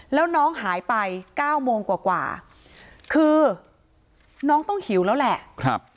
แล้วน้องหายไปเก้าโมงกว่าคือน้องต้องหิวแล้วแหละ